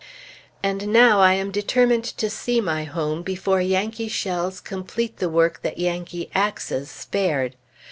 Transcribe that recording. And now, I am determined to see my home, before Yankee shells complete the work that Yankee axes spared.